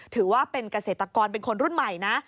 ถือว่าเป็นเกษตรกรเป็นคนรุ่นใหม่นะ